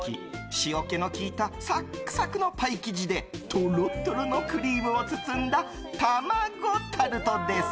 塩気の効いたサックサクのパイ生地でトロットロのクリームを包んだ卵タルトです。